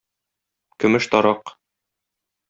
Көмеш тарак